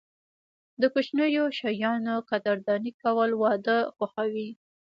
د کوچنیو شیانو قدرداني کول، واده خوښوي.